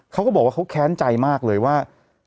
เขาก็บอกว่าเขาแค้นใจมากเลยว่า